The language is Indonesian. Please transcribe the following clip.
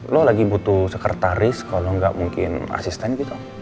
lo lagi butuh sekretaris kalau nggak mungkin asisten gitu